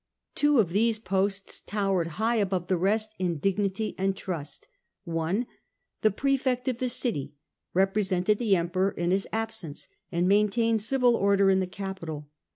Two of these posts towered high above the rest in dignity and trust. (1) The Praefect of the City represented the Emperor in his absence, and maintained civil order in the capital.